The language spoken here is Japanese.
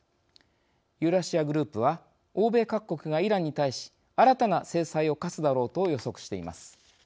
ユーラシア・グループは欧米各国がイランに対し新たな制裁を科すだろうと予測しています。